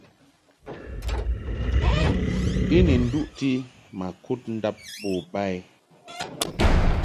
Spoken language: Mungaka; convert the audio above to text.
I ni nduʼti ma kud ndab bo ba i.